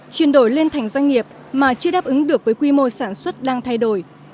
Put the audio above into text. chuyển đổi lên thành doanh nghiệp mà chưa đáp ứng được với quy mô sản xuất đang thay đổi